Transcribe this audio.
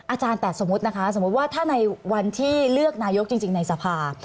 อาจารย์แต่สมมุตินะคะสมมุติว่าถ้าในวันที่เลือกนายกจริงในสภา